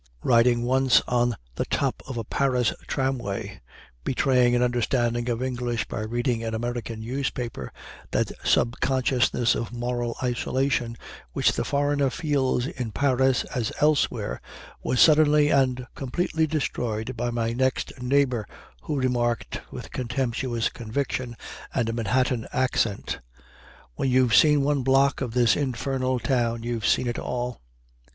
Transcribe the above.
Riding once on the top of a Paris tramway, betraying an understanding of English by reading an American newspaper, that sub consciousness of moral isolation which the foreigner feels in Paris as elsewhere, was suddenly and completely destroyed by my next neighbor, who remarked with contemptuous conviction and a Manhattan accent: "When you've seen one block of this infernal town you've seen it all!"